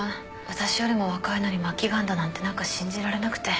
私よりも若いのに末期がんだなんて何か信じられなくて